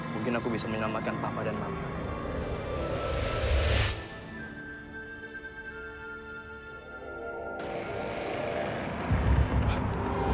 mungkin aku bisa menyelamatkan papa dan mama